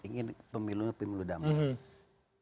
ingin pemilu pemilu damai